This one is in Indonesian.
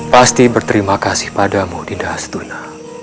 pasti berterima kasih padamu dinda hastuna